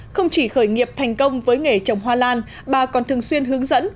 không chỉ khởi nghiệp thành công với nghề trồng hoa lan bà còn thường xuyên hướng dẫn